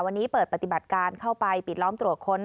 วันนี้เปิดปฏิบัติการเข้าไปปิดล้อมตรวจค้น